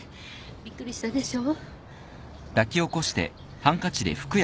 びっくりしたでしょ？